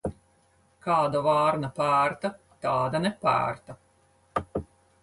Kāda vārna pērta, tāda nepērta.